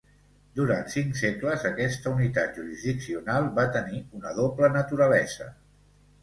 Durant cinc segles, aquesta unitat jurisdiccional va tenir una doble naturalesa.